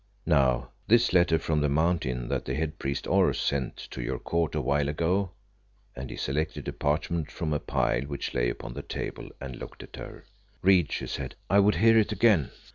Now, this letter from the Mountain that the head priest Oros sent to your court a while ago?" and he selected a parchment from a pile which lay upon the table and looked at her. "Read," she said, "I would hear it again."